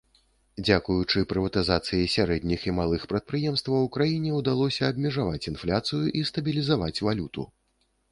Дзякуючы прыватызацыі сярэдніх і малых прадпрыемстваў краіне ўдалося абмежаваць інфляцыю і стабілізаваць валюту.